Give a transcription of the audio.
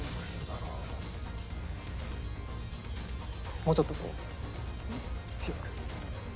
もうちょっとこう強く。